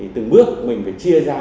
từng bước mình phải chia ra